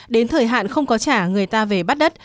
đến thời hạn không có trả người ta về bắt đất